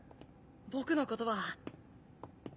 僕のことは。